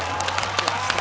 きました！